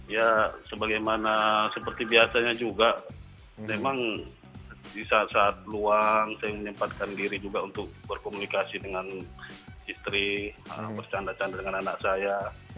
ya sebagaimana seperti biasanya juga memang di saat saat luang saya menyempatkan diri juga untuk berkomunikasi dengan istri bercanda canda dengan anak saya